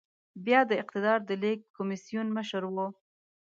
بيا د اقتدار د لېږد کميسيون مشر و.